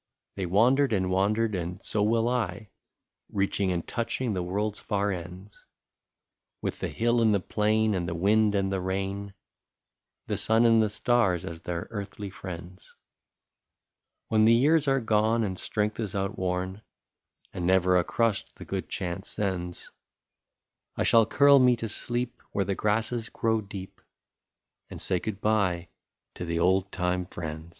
" They wandered and wandered, and so will I, Reaching and touching the world's far ends. With the hill and the plain, the wind and the rain, The sun and the stars, as their earthly friends. And when years are gone and strength is outworn, And never a crust the good chance sends, I shall curl me to sleep where the grasses grow^ deep. And say good bye to the old time friends.